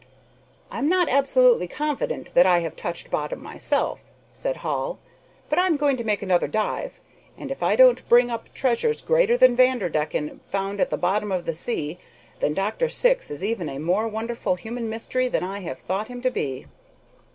"I am not absolutely confident that I have touched bottom myself," said Hall, "but I'm going to make another dive, and if I don't bring up treasures greater than Vanderdecken found at the bottom of the sea, then Dr. Syx is even a more wonderful human mystery than I have thought him to be."